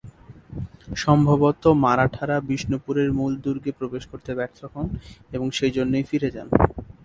সম্ভবত, মারাঠারা বিষ্ণুপুরের মূল দুর্গে প্রবেশ করতে ব্যর্থ হন এবং সেই জন্যই ফিরে যান।